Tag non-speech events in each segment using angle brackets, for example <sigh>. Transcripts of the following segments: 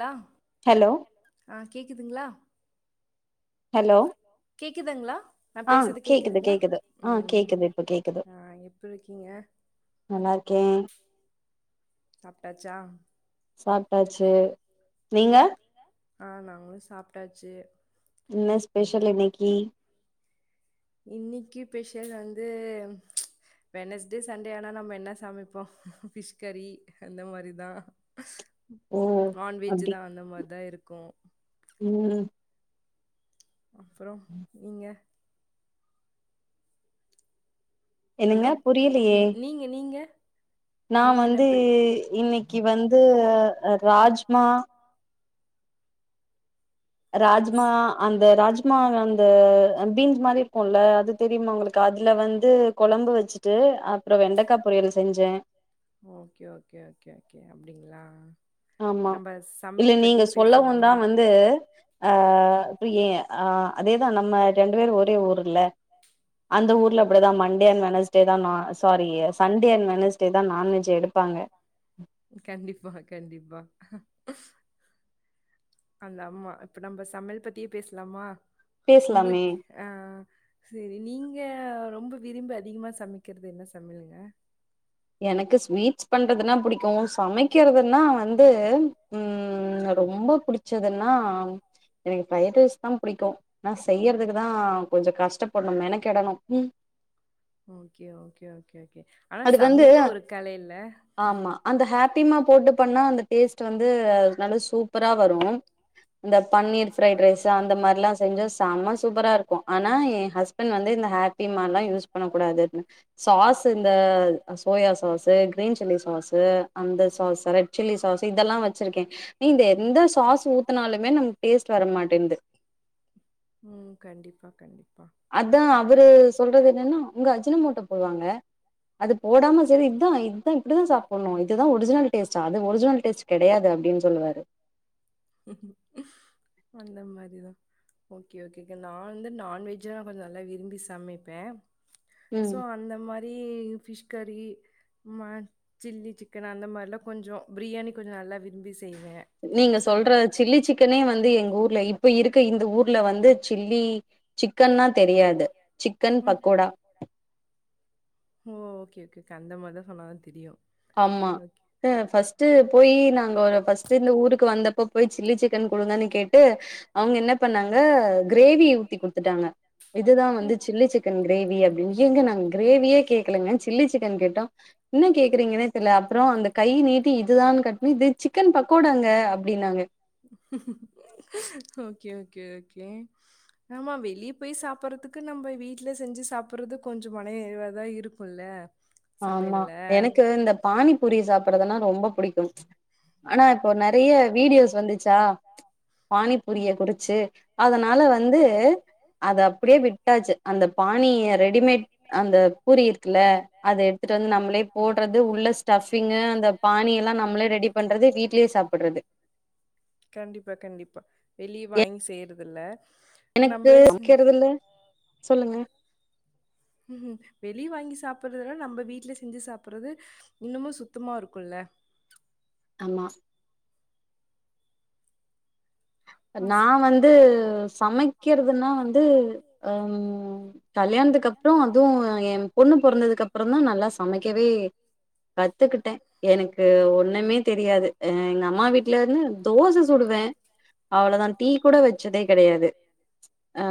லா hello ஆ கேட்குதுங்ளா? Hello கேக்குதுங்ளா? நான் பேசது கேக்குதுங்ளா? ம் ஆ எப்புருக்கீங்க? நல்லார்க்கேன். சாப்ட்டாச்சா? சாப்ட்டாச்சு. நீங்க? ஆ நாங்களு சாப்ட்டாச்சு. என்ன ஸ்பெஷல் இன்னைக்கு? இன்னிக்கு பெஷல் வந்து.. வெனஸ்டே, சண்டே ஆனா நம்ம என்ன சமைப்போ? ஃபிஷ் கரி, அந்த மாரிதா. நான்வெஜ் தா அந்த பாத் தா இருக்கும். ம் அப்புறொ நீங்க?. ஹலோ நீங்க நீங்க? நா வந்து, இன்னைக்கு வந்து ராஜ்மா.. ராஜ் மா அந்த ராஜ்மா அந்த பீன்ஸ் மாரி இருக்குல்ல? அது தெரியுமா உங்களுக்கு? அதுல வந்து.. கொழம்பு வச்சுட்டு, அப்புறம் வெண்டக்கா பொரியல் செஞ்சே. Okay okay okay okay அப்டிங்ளா? ஆமா. இல்ல நீங்க சொல்லவுந்தா வந்து.. அ ப்ப ஏ அதேதா நம்ம ரெண்டு பேரு ஒரே ஊரரில்ல? அந்த ஊர்ல அப்டிதா. மண்டே அன் வெனெஸ்.. டே தா நா சாரி சண்டே அன் வெனஸ்டே தா நான்வெஜ் எடுப்பாங்க. கண்டிப்பா கண்டிப்பா. அந்த அம்மா இப்ப நம்ப சமையல் பத்தியே பேசலாமா உங்களுக்கு ஆ செரி நீங்க ரொம்ப விரும்பி அதிகமா சமைக்கிறது என்ன சமையலுங்க எனக்கு ஸ்வீட்ஸ் பண்றதுனா புடிக்கும் சமைக்கிறதுன்னா வந் து ம் ரொம்ப புடிச்சதுன்னா எனக்கு ஃப்ரைடு ரைஸ் தா பிடிக்கும் ஆனா செய்யறதுக்குதா கொஞ்ச கஷ்டப்படனும் மெனக்கெடனும் ம் ஓகே ஓகே ஓகே ஓகே ஆனா சமையலும் ஒரு கலை இல்ல அந்த ஹேப்பிமா போட்டு பண்ணா அந்த டேஸ்ட்டு வந்து நல்ல சூ ப்பரா வரும் இந்த பன்னீர் பிரைட் ரைஸூ அந்த மாரிலாம் செஞ்சா செம சூப்பரா இருக்கும் ஆனா ஏன் ஹஸ்பண்ட் வந்து இந்த ஹேப்பிமாலா யூஸ் பண்ண கூடாது சாஸ்ஸு இந்த soya sauce green chilli sauce அந்த சாஸு ரெட் சில்லி சாஸு இதெல்லாம் வச்சிருக்கேன் நீங்க எந்த சாஸு ஊத்தனாலுமே நம் டேஸ்ட்டு வரமாட்டேந்து ம் கண்டிப்பா கண்டிப்பா அதா அவரு சொல்றது என்னன்னா அவுங்க அஜின மோட்டோ போடுவாங்க அது போடாம செரி இதான் இ தான் இப்டிதான் சாப்புணும் இதுதா ஒரிஜினல் டேஸ்ட்டா அது ஒரிஜினல் டேஸ்ட்டு கெடையாது அப்டின் சொல்லுவாரு அந்த மாரிதா ஓகே ஓகேக்கா நா வந்து நான்வெஜ்லா கொஞ்சம் நல்லா விரும்பி சமைப்பேன் சோ அந்த மாரி ஃபிஷ் கறி ம சில்லி சிக்கன் அந்த மார்லா கொஞ்சோ பிரியாணி கொஞ்சம் நல்லா விரும்பி செய்வன் நீங்க சொல்ற சில்லி சிக்கனே வந்து எங்க ஊர்ல இப்ப இருக்க இந்த ஊர்ல வந்து சில்லி சிக்கன்னா தெரியாது சிக்கன் பக்கோடா ஓ ஓகே ஓகே அந்த மாரிதான் சொன்னாதா தெரியும் ஆமா டு ஃபஸ்ட்டு போயி நாங்க ஒரு ஃபஸ்ட்டு இந்த ஊருக்கு வந்தப்போ போய் சில்லி சிக்கன் கொடுங்கன்னு கேட் டு அவுங்க என்ன பண்ணாங்க கிரேவிய ஊத்தி குடுத்துட்டாங்க இதுதான் வந்து சில்லி சிக் கன் கிரேவி அப்டின் ஏங்க நாங்க கிரேவிய கேக்கலங்க சில்லி சிக்கன் கேட்டோம் என்ன கே க்கறீங்கனே தெர்ல அப்புறம் அந்த கை நீட்டி இதுதானு காட்ன இது சிக்கன் பக்கோடாங்க அப்டின்னாங்க ஓகே ஓகே ஓகே ஆமா வெளிய போயி சாப்புறதுக்கு நம் வீட்லே செஞ்சி சாப்பறது கொஞ்சம் மனநிறைவாதா இருக் புள்ள ஆமா எனக்கு இந்த பானிபூரி சாப்பறதுனா ரொம்ப புடிக்கும் ஆனா இப்போ நறையா வீடியோஸ் வந்துச்சா பானிபூரிய புடிச்சி அதனால வந்து அது அப்டே விட்டாச்சி அந்த பாணிய ரெடிமேட் அந்த பூரி இருக்குல்ல அத எடுத்துட்டு வந்து நம்பளே போடறது உள்ள ஸ்டஃபிங்கு அந்த பானி எல்லாம் நம்மளே ரெடி பண்றது வீட்லே சாப்படறது கண்டிப்பா கண்டிப்பா வெளிய வாங்கி செய்றதில்ல எனக்கு வக்கிறதில்ல சொல்லுங்க ம்ஹூ வெளிய வாங்கி சாப்படறதுல்லா நம்ப வீட்லே செஞ்சி சாப்படறது இன்னமு சுத்தமா இருக்கும் இல்ல ஆமா நா வந்து சமைக்கிறதுன்னா வந்து ம் கல்யாணத்துக்கு அப்புற அதுவு என் பொண்ணு பொறந்ததுக்கப்புற தா நல்லா சமைக்கவே கத்துக்கிட்டே எனக்கு ஒன்னுமே தெரியாது அ எங்க அம்மா வீட்ல இருந்து தோச சுடுவே அவ்ளொதா டீ கூட வெச்சதே கெடயாது ஆ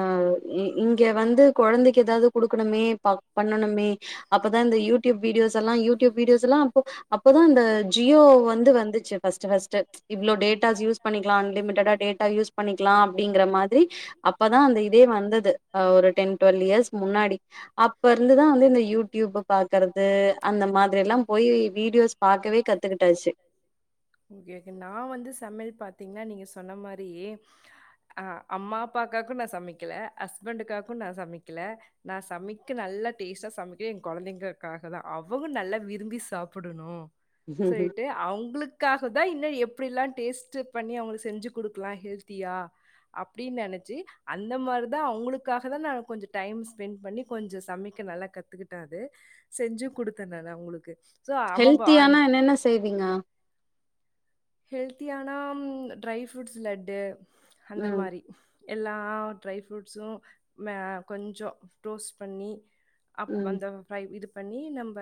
இங்கெ வந்து கொழந்தெக்கு எதாவுது குடுக்கணுமே பக் பண்ணனுமே அப்பதா இந்த யூடியூப் வீடியோஸ் எல்லா யூ டியூப் வீடியோஸ் எல்லா அப்போ அப்போதா இந்த ஜியோ வந்து வந்துச்சு ஃபஸ்ட்டு ஃபஸ்ட்டு இவ்ளோ டேட்டாஸ் யூஸ் பண்ணிக்லா அன்லிமிடெட்டா டேட்டா யூஸ் பண்ணிக்லா அப்பிடிங்கெற மாதிரி அப்பதா அந்த இதே வந் வந்துது ஒரு டென் டுவல்வ் இயர்ஸ் முன்னாடி அப்ப இருந்துதாவந்து இந்த யூடியூப் அ பாக்கறது அந்த மாதிரி எல்லா போய் வீடியோஸ் பாக்கவே கத்துகிட்டாச்சு ஓகே ஓகே நா வந்து சமயெல் பாத்தீங்கெனா நீங்க சொன்ன மாரியே ஆ அம்மா அப்பாக்காக்கு நா சமக்கெல ஹஸ்பண்டுக்காகு நா சமக்கெல நா சமக்கெ நல்லா டேஸ்ட்டா சமக்கே ஏ கொழந்தைங்கக்காக தா அவுங்க நல்லா விரும்பி சா சாப்புடுணு சொல்ட்டு அவுங்களுக்காக தா இன்னு எப்புடி எல்லா டேஸ்ட்டு பண்ணி அவுங்களுக்கு செஞ்சு குடுக்கலா ஹெல்த்தியா அப்டின்னு நெனச்சு அந்த மாரி தா அவுங்களுக்காக தா நா கொஞ்சொ டைம் ஸ்பெண்ட் பண்ணி கொஞ்சொ சமெக்க நல்லா கத்துகிட்டாது செஞ்சு குடுத்தே தத அவ்ங்களுக்கு ஹெல்த்தியானா என்னென்ன செய்வீங்கா ஹெல்த்தியானா ட்ரை ஃப்ரூட்ஸ் லட்டு அந்த மாரி எல்லா ட்ரை ஃப்ரூட்ஸு மே கொஞ்சொ டோஸ்ட் பண்ணி அப் அந்த ப்ரை இது பண்ணி நம்ப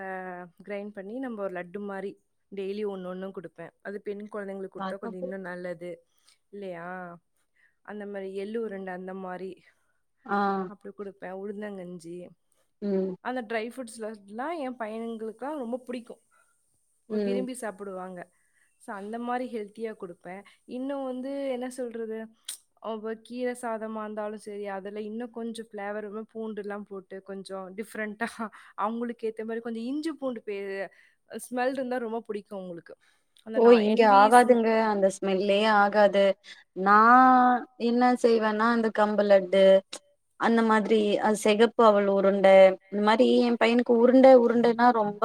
க்ரைண்ட் பண்ணி நம்ப ஒரு லட்டு மாரி டெய்லி ஒன்னொன்னு குடுப்பே அது பெண் கொழந்தைங்களுக்கு குடுத்தா கொஞ்சொ இன்னு நல்லது இல்லயா அந்த மாரி எல்லுருண்ட அந்த மாரி ஆ ஆப்பட குடுப்பே உளுந்தங்கஞ்சி ம் அந்த ட்ரை ஃப்ரூட்ஸ் லட்டு ல்லா ஏ பையனுங்களுக்கா ரொம்ப புடிக்கு உவிரும்பி சாப்புடுவாங்க ச அந்த மாரி ஹெல்த்தியா குடுப்ப இன்னு வந்து என்ன சொல்றது ஒரு கீர சாதமா இருந்தாலு சரி அதுல இன்னு கொஞ்ச பஃளேவருக்கு பூண்டு எல்லா போட்டு ட்டு கொஞ்சோ டிஃப்ரெண்டா அவுங்களுக்கு ஏத்த மாரி கொஞ்சோ இஞ்சி பூண்டு பே ஸ்மெல் இருந்தா ரொம்ப புடிக்கு அவுங்களுக்கு ஒ இங்க ஆகாதுங்க அந்த ஸ்மெ ல்லே ஆகாது நா என்ன செய்வேன்னா இந்த கம்பு லட்டு அந்த மாதிரி அ செகப்பு அவுள் உருண்ட இது மாதிரி என பையனுக்கு உருண்ட உருண்டன்னா ரொம்ப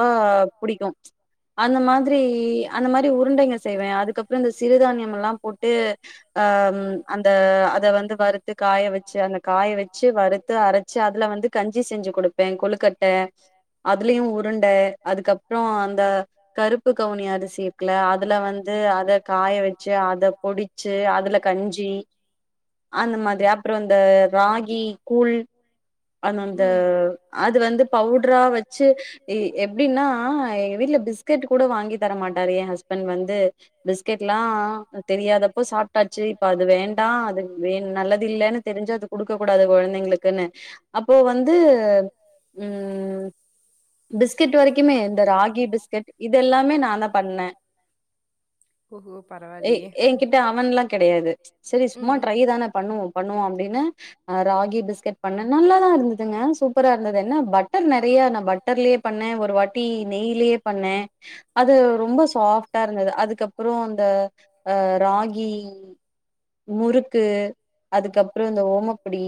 புடிக்கு அந்த மாதிரி உருண்டெங்க செய்வே அதுக்கப்றோ இந்த சிறுதானியம் எல்லா போட்டு அ அந்த அத வந்து வறுத்து காய வெச்சு அந்த காய வெச்சு வறு த்து அரச்சு அதுல வந்து கஞ்சி செஞ்சு குடுப்பே கொழுக்கட்ட அதுலயு உருண்ட அதுக்கப்றோ அந்த கருப்பு கவுனி அரிசி க்குல அதுல வந்து அத காய வெ ச்சு அத பொடுச்சு அதுல கஞ்சி அந்த மாரி அப்பறொ அந்த ராகி கூழ் அது அந்த அது வந்து பவ்டரா வெச்சு எ எப்டின்னா எங்க வீட்ல பிஸ்கெட் கூட வாங்கி தரமாட்டாரு ஏ ஹஸ்பண்ட் வந்து பிஸ்கெட் எல்லா தெரியாதப்போ சாப்ட்டாச்சு இப்ப அது வேண்டா அது வே நல்லது இல்லன்னு தெருஞ்சது குடுக்க கூடாது கொழந்தெங்களுக்குன்னு அப்போ வந்து ம் பிஸ்கட் வர க்கிமே இந்த ராகி பிஸ்கெட் இது எல்லாமே நா தா பண்ண எ எகிட்ட அவன்ல்லா கெடயாது செரி சும்மா ட்ரை தான பண்ணுவோ பண்ணுவோ அப்டின்னு ராகி பிஸ்கெட் பண்ண நல்லா தா இருந்ததுங்க சூப்பரா இருந்தது என்ன பட்டர் நறையா நா பட்டர்லயே பண்ணே ஒரு வாட்டி நெய்லெயே பண்ணேன் அது ரொம்ப சாஃப்டா இருந்தது அதுக்கப்றோ அந்த ராகி முறுக்கு அதுக்கப்றோ இந்த ஓமப்படி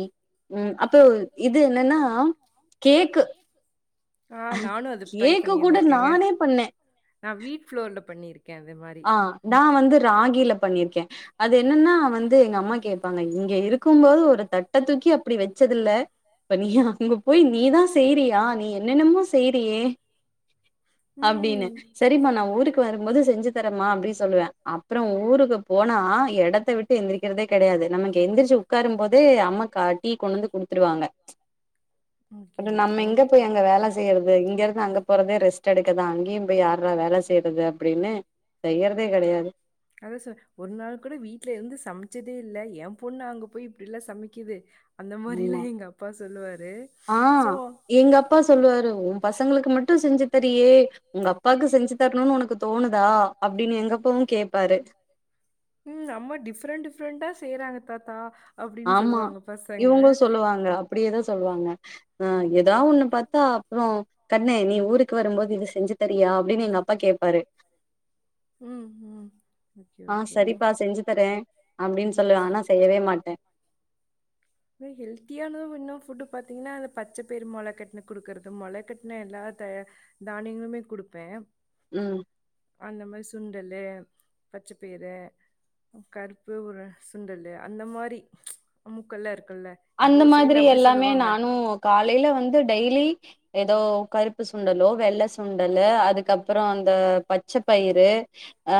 ம் இப்போ இது என்னன்னா கேக்கு கேக்கு கூட நானே பண்ணே நான் வீட் வுளோர்ல பண்ணிருக்கே அது மாதி ஆ நா வந்து ராகில பண்ணிருக்கே அது என்னன்னா வந்து எங்க அம்மா கேப்பாங்க இங்க இருக் கும் போது ஒரு தட்ட தூக்கி அப்டி வச்சதில்ல இப்ப நீ அங்க போய் நீதா செய்றியா நீ என்னென்னமோ செய்றியே அப்டின்னு சரிம்மா நா ஊருக்கு வரும்போது செஞ்சு தரமா அப்டின் சொல்லுவே அப்றோ ஊருக்கு போனா எடத்த விட்டு எந்திரிக்றதே கெடையாது நமக்கு எந்திரிச்சு உக்காரு போதே அம்மா கா டீ கொண்டு வந்து குடுத்துருவாங்க பின்ன நம்ம எங்க போய் அங்க வேல செய்றது இங்க இருந்து அங்க போறதே ரெஸ்ட் எடுக்கதா அங்கியு போய் யார்ரா வேல செய்றது அப்டின்னு செய்றதே கெடையாது அதா சொ ஒரு நாள் கூட வீட்ல இருந்து சமைச்சதே இல்ல என பொண்ணா அங்க போய் இப்டில்லா சமைக்குது அந்த மாரிலா எங்க அப்பா சொல்லுவாரு சோ எங்க அப்பா சொல்லுவாரு உ பசங்களுக்கு மட்டு செஞ்சு தரியே உங்க அப்பாக்கு செஞ்சு தரணுனு உனக்கு தோணுதா அப்டின்னு எங்கப்பாவு கேப்பாரு ம் அம்மா டிஃப்ரெண்ட் டிஃப்ரெண்டா செய்றாங்க தாத்தா அப்டின்னு சொல்லுவாங்க பசங்க அப்டியேதா சொல்லுவாங்க ஆ ஏதா ஒண்ணு பாத்தா அப்றோ கண்ணு நீ ஊருக்கு வரும்போது இது செஞ்சு தரியா அப்டின்னு எங்க அப்பா கேட்பாரு ம் ம் ஆ சரிப்பா செஞ்சு தரேன அப்டின்னு சொல்லுவே ஆனா செய்யவே மாட்ட ஹெல்த்தியானது இன்னு புட் பாத்திங்ன்னா பச்ச பயிறு மொளக்கட்னத குடுக்குறது மொள கட்ன எல்லா த தானியங்களுமே குடுப்பே ம் அந்த மாரி சுண்டல் பச்சப்பயிறு கருப்பு ஒரு சுண்டல்லு அந்த மாரி கொள்ள இருக்குல்ல அந்த மாதிரி எல்லாமே நானும் காலையில வந்து டெய்லி எதோ கருப்பு சுண்டலோ வெள்ள சுண்டலு அதுக்கப்புறோம் அந்த பச்ச பயிறு அ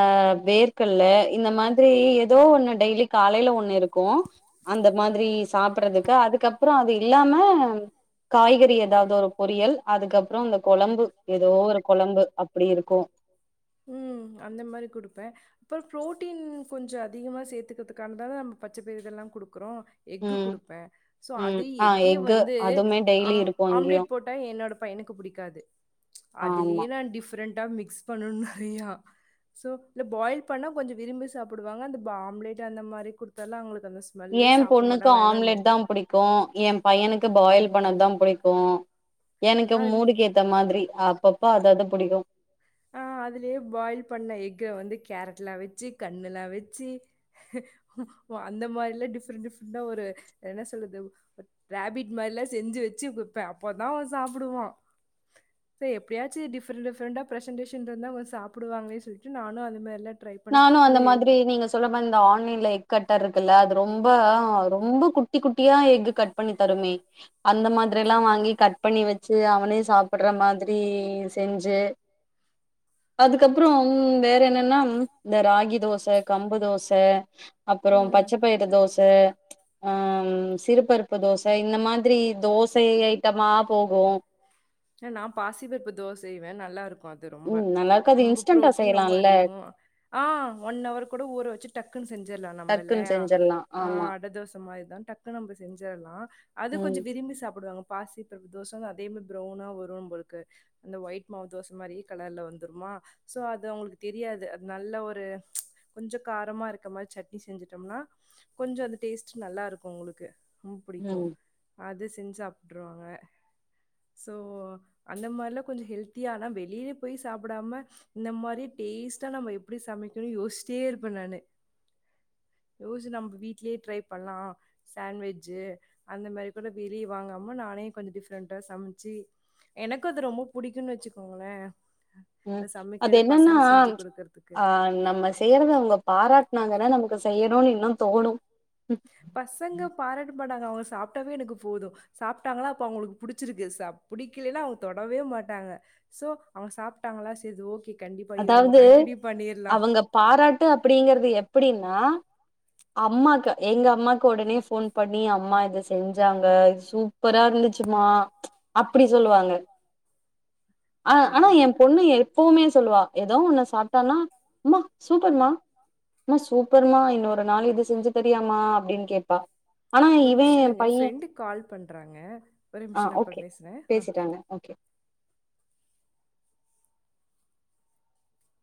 வேர்கல்ல இந்த மாதிரி எதோ ஒண்ணு டெய்லி காலையில ஒண்ணு இருக்கூம் அந்த மாதிரி சாப்பிட்றதுக்கு அதுக்கப்புறோம் அது இல்லாம காய்கறி ஏதாவ்து ஒரு பொரியல் அதுக்கப்புறோம் இந்த கொழம்பு ஏதோ ஒரு கொழம்பு அப்டி இருக்கும் ம் அந்த மாரி குடுப்பே அப்றோ ப்ரோட்டீன் கொஞ்சோ அதிகமா சேத்துக்றதுக்காதான நம்ம பச்ச பயறு இதெல்லா குடுக்றோ எக்கு குடுப்பே சோ அது எக்கே வந்து ஆ ஆம்லேட் போட்டா என்னோட பையனுக்கு புடிக்காது அதுலியே நா டிஃப்ரெண்டா மிக்ஸ் பண்ணு நறியா சோ இல்ல பாயில் பண்ணா கொஞ்சோ விரும்பி சாப்டுவாங்க அந்த ஆம்லேட் அந்த மாரி குடுத்தால்லா அவுங்களுக்கு அந்த ஏ பொண்ணுக்கு ஆம்லெட்தா புடிக்கு க்கு எ பையனுக்கு பாயில் பண்ணது தா புடிக்கு எனக்கு மூடுக்கேத் அந்த மாதிரி அப்பப்ப அது புடிக்கு ஆ அதுலியே பாயில் பண்ண எக்க வந்து கேரட்லா வெச்சு கண்ணுலா வெச்சு அந்த மாரிலா டிஃப்ரெண்ட் டிஃப்ரெண்ட்டா ஒரு என்ன சொல்லது ரேபிட் மாரில்லா செஞ்சு வச்சு குப்பேன் அப்பதான் அவன் சாப்புடுவான் சே எப்டியாச்சி டிஃப்ரெண்ட் டிஃப்ரண்டா ப்ரசன்டேஷன்ருந்தா கொஞ்ச சாப்டுவாங்களேன் சொல்ட்டு நானும் அது மாரில்லா நானும் அந்த மாதிரி நீங்க ஸ் <unintelligible> இந்த ஆன்லைன்ல எக் கட்டர் இருக்குல்ல அது ரொம்ப ரொம்ப குட்டி குட்டியா எக்கு கட் பண்ணி தருமே அந்த மாதிரி எல்லாம் வாங்கி கட் பண்ணி வச்சு அவனே சாப்பட்ற மாதிரி செஞ்சு அதுக்கப்புறோம் ம் வேற என்னன்னா இந்த ராகி தோச கம்பு தோச அப்புறோம் பச்ச பயிர் க்கு தோச சிறுபருப்பு தோச இந்த மாதிரி தோசை ஐ ட்டமா போகூம் நா பாசிப்பருப்பு தோஸ் செய்வேன் நல்லா இருக்கும் அது ரொம்ப ரொம்ப ப்ரோட்டீன் ரொம்ப அதிகோம் ஆ ஒன் அவர் கூட ஊற வச்சி டக்குன் செஞ்சிற்லாம் நம்பெல்யா ஆ‌ அடதோச மாரிதான் டக்குனு நம்ம செஞ்சிற்லாம் அது கொஞ்சோ விரும்பி சாப்புடுவாங்க பாசி பருப்பு தோசன்னா அதே மாரி பிரௌன்னா வரும் நம்பள்க்கு இந்த ஒயிட் மாவு தோச மாரி கலர்ல வந்துரும்மா சோ அது அவங்களுக்கு தெரியாது அது நல்ல ஒரு கொஞ்ச காரமா இருக்க மாரி சட்னி செஞ்சுட்டோம்னா கொஞ்சோ அந்த டேஸ்ட் நல்லாருக்கும் உங்களுக்கு ரொம்ப பிடிக்கும் அது செஞ்சு சாப்ட்ருவாங்க சோ அந்த மார்லா கொஞ் ஹெல்த்தி ஆனா வெளியில போய் சாப்டாம இந்த மாரி டேஸ்ட்டா நம்ம எப்டி சமைக்கணு யோஸ்ட்டே இருப்ப நானு <unintelligible> நம்ம வீட்லே ட்ரை பண்லாம் சாண்ட்வெஜ்ஜு அந்த மாரி கூட வெளிய வாங்காம நானே கொஞ்ச டிஃப்ரெண்டா சமைச்சி எனக்கும் அது ரொம்ப புடிக்குன் வச்சுக்கோங்கள ம் அது என்னன்னா ஆ நம்ம செய்யறத அங்க பாராட்னாங்கன்னா நமக்கு செய்யணுனு இன்னும் தோணும் பசங்க பாராட்ட மாட்டாங்க அவங்க சாப்ட்டாவே எனக்கு போதும் சாப்ட்டாங்களா அப்ப அவங்களுக்கு புடிச்சிருக்கு ச புடிக்கலேன்னா அவங்க தொடவே மாட்டாங்க சோ அவங்க சாப்ட்டாங்களா சரி ஓகே கண்டிப்பா இத நம்ம கண்டினியூ பண்ணீர்லாம் பாராட்டு அப்டிங்கறது எப்டீன்னா அம்மாக்கு எங்க அம்மாக்கு உடனே ஃபோன் பண்ணி அம்மா இத செஞ்சாங்க சூப் ப்பரா இருந்துச்சுமா அப்டி சொல்லுவாங்க ஆ ஆனா ஏ பொண்ணு எப்பவுமே சொல்லுவா ஏதோ ஒன்ன சாப்ட்டானா அம்மா சூப்பர்மா அம்மா சூப்பர்மா இன்னொரு நாள் இத செஞ்சு தரியாமா அப்டின்னு கேப்பாங்க ஆனா இவன் ஏ பையே ஆ ஓகே பேசிட்டாங்க ஓகே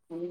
ம்